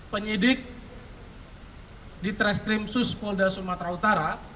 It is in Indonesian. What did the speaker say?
penyidik di treskrim sus polda sumatera utara